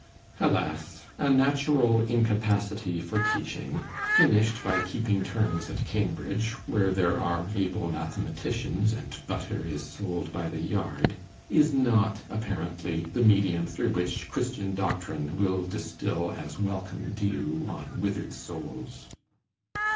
Alas! a natural incapacity for teaching, finished by keeping 'terms' at Cambridge, where there are able mathematicians, and butter is sold by the yard, is not apparently the medium through which Christian doctrine will distil as welcome dew on withered souls.